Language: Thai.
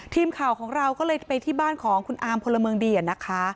ทีมข่าวของเราก็เลยไปที่บ้านของคุณอามพลเมืองดีนะคะ